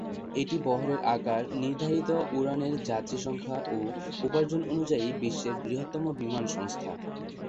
এটি বহরের আকার, নির্ধারিত উড়ানের যাত্রী সংখ্যা ও উপার্জন অনুযায়ী বিশ্বের বৃহত্তম বিমান সংস্থা।